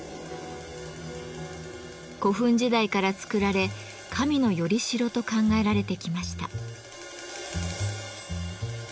古墳時代から作られ神の「依代」と考えられてきました。